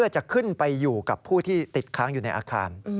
จะขึ้นไปอยู่กับผู้ที่ติดค้างอยู่ในอาคาร